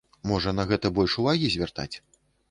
Можа, на гэта больш увагі звяртаць?